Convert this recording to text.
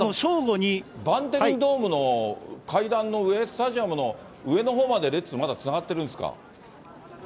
バンテリンドームの階段の上、スタジアムの上のほうまで列、まだつながってるんですか。